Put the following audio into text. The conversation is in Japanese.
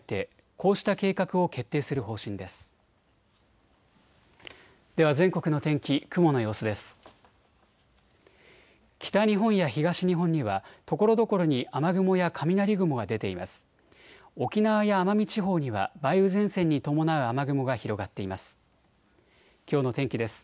沖縄や奄美地方には梅雨前線に伴う雨雲が広がっています。